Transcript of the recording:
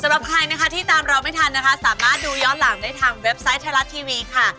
สำหรับใครนะคะที่ตามเราไม่ทันนะคะสามารถดูย้อนหลังได้ทางเว็บไซต์ไทยรัฐทีวีค่ะ